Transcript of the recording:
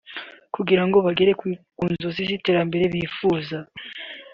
kugira ngo bigere ku nzozi z’iterambere byifuza